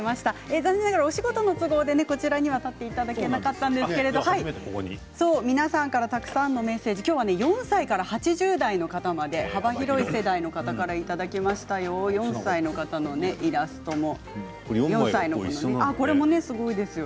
残念ながらお仕事の都合でこちらには立っていただけなかったんですけれども皆さんからたくさんのメッセージきょうは４歳から８０代の方まで幅広い世代の方からいただきましたよ。